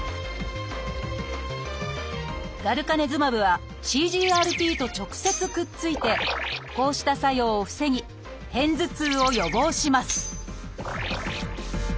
ガルカネズマブはＣＧＲＰと直接くっついてこうした作用を防ぎ片頭痛を予防します